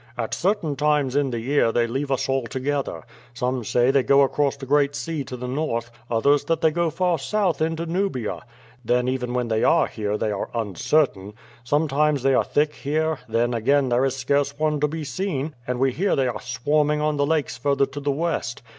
At certain times in the year they leave us altogether. Some say they go across the Great Sea to the north; others that they go far south into Nubia. Then even when they are here they are uncertain. Sometimes they are thick here, then again there is scarce one to be seen, and we hear they are swarming on the lakes further to the west.